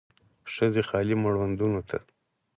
ښځې خالي مړوندونو ته